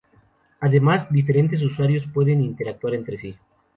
Además, diferentes usuarios pueden interactuar entre sí.